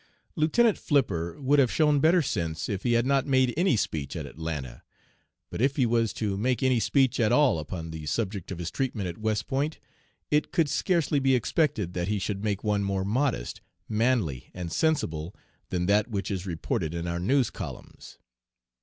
Lieutenant Flipper would have shown better sense if he had not made any speech at Atlanta. But if he was to make any speech at all upon the subject of his treatment at West Point, it could scarcely be expected that he should make one more modest, manly and sensible than that which is reported in our news columns."